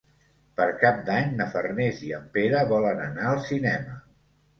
Per Cap d'Any na Farners i en Pere volen anar al cinema.